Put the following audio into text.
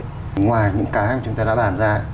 ngoài những cái chúng ta đã bàn ra